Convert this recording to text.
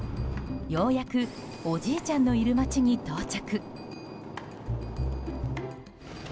ようやくおじいちゃんのいる町に到着。